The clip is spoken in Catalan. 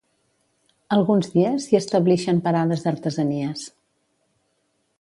Alguns dies s'hi establixen parades d'artesanies.